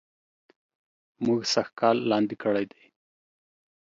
مونږ سږ کال لاندي کړي دي